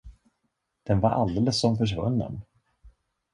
Den var alldeles som försvunnen.